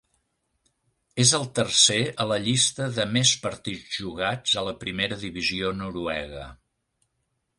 És el tercer a la llista de més partits jugats a la primera divisió noruega.